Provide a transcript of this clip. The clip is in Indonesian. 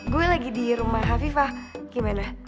gue lagi di rumah hafifah gimana